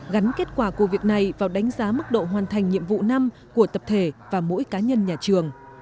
gắn kết quả của việc này vào đánh giá mức độ hoàn thành nhiệm vụ năm của tập thể và mỗi cá nhân nhà trường